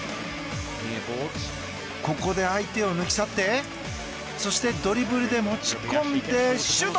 ここで相手を抜き去ってそして、ドリブルで持ち込んでシュート！